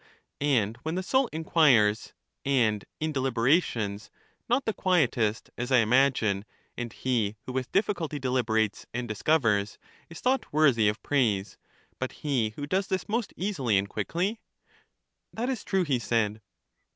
And when the soul inquires, and in deliberations, not the quietest, as I imagine, and he who with diffi culty deliberates and discovers, is thought worthy of praise, but he who does this most easily and quickly? That is true, he said.